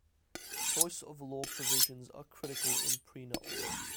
Choice of law provisions are critical in prenups.